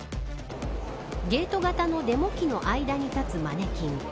ゲート型のデモ機の間に立つマネキン。